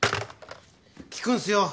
利くんすよ